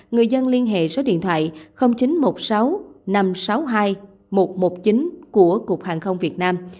người dân liên hệ số điện thoại chín trăm một mươi sáu năm trăm sáu mươi hai một trăm một mươi chín của cục hàng không việt nam